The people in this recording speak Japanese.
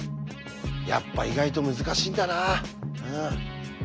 やっぱ意外と難しいんだなうん。